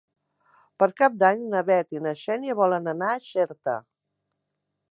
Per Cap d'Any na Bet i na Xènia volen anar a Xerta.